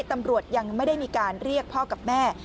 ตำรวจยังไม่ได้มีการเรียกพ่อกับแม่